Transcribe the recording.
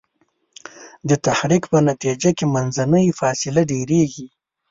د تحرک په نتیجه کې منځنۍ فاصله ډیریږي.